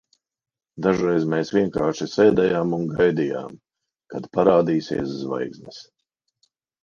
Dažreiz mēs vienkārši sēdējām un gaidījām, kad parādīsies zvaigznes.